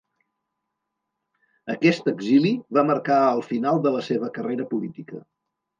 Aquest exili va marcar el final de la seva carrera política.